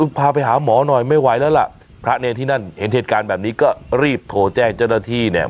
พาไปหาหมอหน่อยไม่ไหวแล้วล่ะพระเนรที่นั่นเห็นเหตุการณ์แบบนี้ก็รีบโทรแจ้งเจ้าหน้าที่เนี่ย